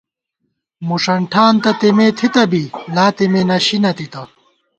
مُݭنٹھان تہ تېمے تھِتہ بی لا تېمے نَشی نَتِتہ